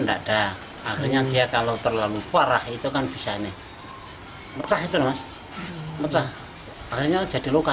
dada akhirnya dia kalau terlalu parah itu kan bisa nih mecah itu mas mecah akhirnya jadi luka